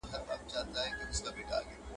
ستا په مینه خامتما یم چي رقیب راڅخه ځغلي.